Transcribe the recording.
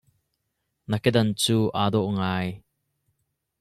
Na kedan cu aa dawh ngai.